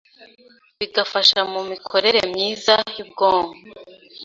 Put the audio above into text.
bigafasha mu mikorere myiza y’ubwonko.